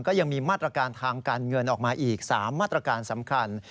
ก็ยังมีมาตรการทางการเงินออกมาอีก๓มาตรการสำคัญ